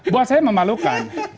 buat saya memalukan